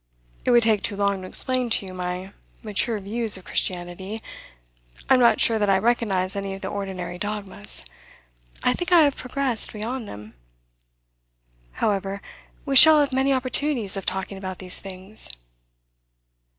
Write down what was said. It would take too long to explain to you my mature views of Christianity. I am not sure that I recognise any of the ordinary dogmas; I think I have progressed beyond them. However, we shall have many opportunities of talking about these things.